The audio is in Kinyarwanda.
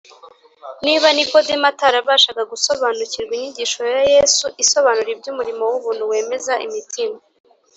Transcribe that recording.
” Niba Nikodemo atarabashaga gusobanukirwa inyigisho ya Yesu, isobanura iby’umurimo w’ubuntu wemeza imitima,